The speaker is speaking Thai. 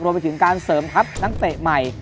รวมไปถึงการเสริมทัพนักเตะใหม่